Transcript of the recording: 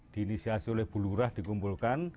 diinisiasi oleh bulurah dikumpulkan